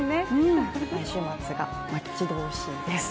来週末が待ち遠しいです。